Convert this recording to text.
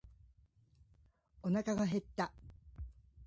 おなかが減った。